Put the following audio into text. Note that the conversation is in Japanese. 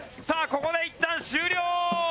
ここでいったん終了！